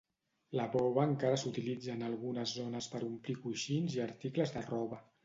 La bova encara s'utilitza en algunes zones per omplir coixins i articles de roba.